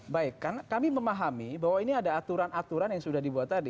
baik karena kami memahami bahwa ini ada aturan aturan yang sudah dibuat tadi